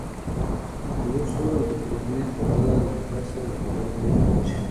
El dorso es de color gris lavanda; la cabeza, de color gris beige.